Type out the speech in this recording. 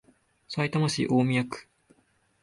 さいたま市大宮区